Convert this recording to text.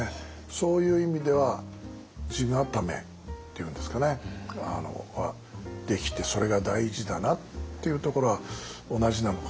そういう意味では地固めっていうんですかねできてそれが大事だなっていうところは同じなのかもしれないですけど。